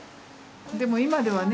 でも今ではね